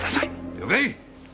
了解！